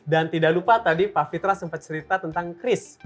dan tidak lupa tadi pak fitra sempat cerita tentang kris